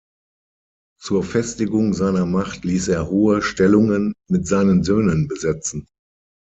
Zur Festigung seiner Macht ließ er hohe Stellungen mit seinen Söhnen besetzen.